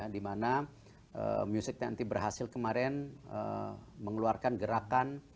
dimana music dua puluh berhasil kemarin mengeluarkan gerakan